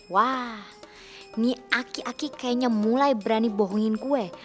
wah nih aki aki kayaknya mulai berani bohongin gue